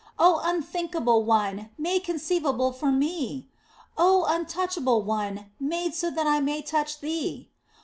Oh Unthinkable One, made conceivable for me ! Oh Untouchable One, made so that I may touch Thee